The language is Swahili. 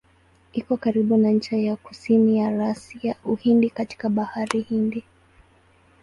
Iko karibu na ncha ya kusini ya rasi ya Uhindi katika Bahari Hindi.